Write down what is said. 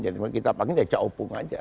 jadi kita panggilnya ca opung aja